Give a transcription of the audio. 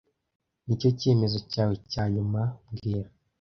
Nicyo cyemezo cyawe cya nyuma mbwira